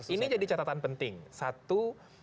ini jadi catatan penting satu